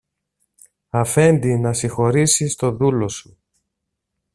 Αφέντη, να συγχωρήσεις το δούλο σου.